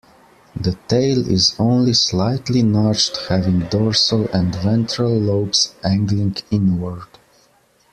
The tail is only slightly notched having dorsal and ventral lobes angling inward.